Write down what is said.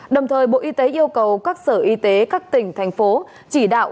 đồng thời bộ y tế yêu cầu các sở y tế các tỉnh thành phố chỉ đạo